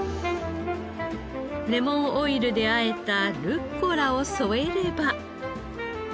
レモンオイルで和えたルッコラを添えれば。